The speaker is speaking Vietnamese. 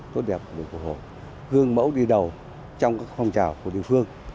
tốt đẹp của đội của họ gương mẫu đi đầu trong các phong trào của địa phương